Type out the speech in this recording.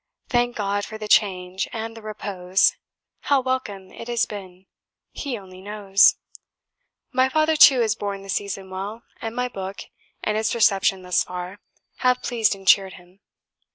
Thank God for the change and the repose! How welcome it has been He only knows! My father too has borne the season well; and my book, and its reception thus far, have pleased and cheered him."